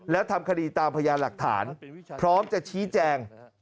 แล้วทำคดีตามพยานหลักฐานพร้อมจะชี้แจง